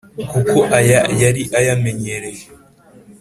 kuko aya yari ayamenyereye